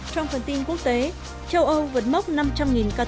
trong phần tin quốc tế châu âu vượt mốc năm trăm linh ca tử vong vì covid một mươi chín